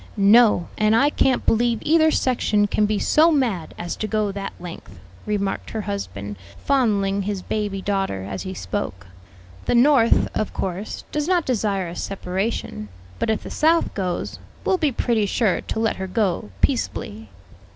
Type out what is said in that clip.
"No; and I can't believe either section can be so mad as to go that length," remarked her husband, fondling his baby daughter as he spoke. "The North, of course, does not desire a separation; but if the South goes, will be pretty sure to let her go peaceably."